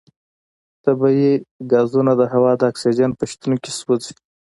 طبیعي غازونه د هوا د اکسیجن په شتون کې سوځي.